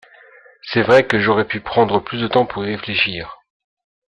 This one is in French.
C’est vrai que j’aurais pu prendre plus de temps pour y réfléchir.